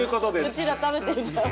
うちら食べてるじゃあ。